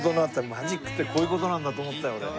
マジックってこういう事なんだと思ったよ俺。